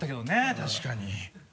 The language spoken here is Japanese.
確かに。